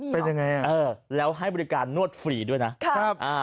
เป็นยังไงแล้วให้บริการนวดฟรีด้วยนะ